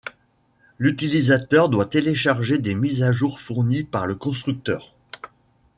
L'utilisateur doit télécharger des mises à jour fournies par le constructeur.